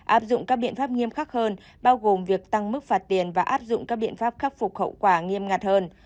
áp dụng các biện pháp nghiêm khắc hơn bao gồm việc tăng mức phạt tiền và áp dụng các biện pháp khắc phục khẩu quả nghiêm ngặt hơn